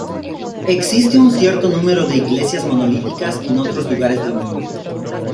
Existe un cierto número de iglesias monolíticas en otros lugares del mundo.